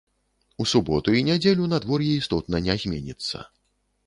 У суботу і нядзелю надвор'е істотна не зменіцца.